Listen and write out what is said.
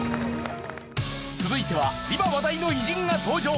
続いては今話題の偉人が登場！